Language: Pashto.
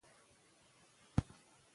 دوی ته باید ښه روزنه ورکړل شي.